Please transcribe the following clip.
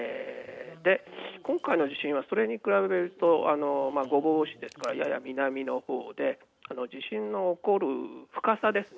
今回の地震は、それに比べると御坊市ですから、やや南の方で地震の起こる深さですね。